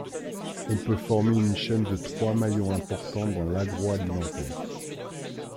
On peut former une chaîne de trois maillons importants dans l'agroalimentaire.